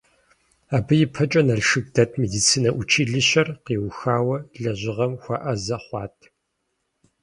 Абы ипэкӀэ Налшык дэт медицинэ училищэр къиухауэ лэжьыгъэм хуэӀэзэ хъуат.